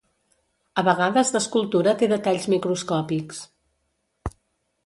A vegades l'escultura té detalls microscòpics.